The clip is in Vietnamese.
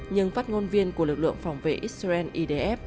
nhưng phát ngôn viên của lực lượng phòng vệ israel idf